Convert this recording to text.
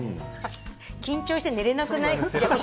緊張して寝れなくない？